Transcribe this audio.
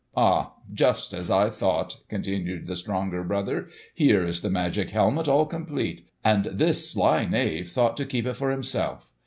"Ah! just as I thought!" continued the stronger brother. "Here is the magic helmet all complete; and this sly knave thought to keep it for himself.